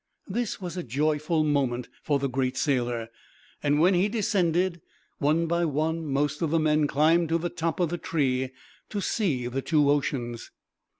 This was a joyful moment for the great sailor, and when he descended, one by one most of the men climbed to the top of the tree, to see the two oceans.